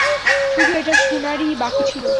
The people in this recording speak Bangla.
শুধু এটা শুনারই বাকি ছিলো।